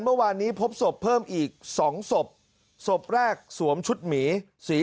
เมื่อวานนี้พบศพเพิ่มอีกสองศพศพแรกสวมชุดหมีสี